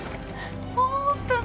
オープン！